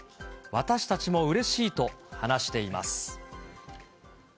私たちもうれしいと話しています。